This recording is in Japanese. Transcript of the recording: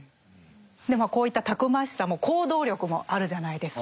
こういったたくましさも行動力もあるじゃないですか。